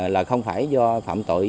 là không phải do phạm tội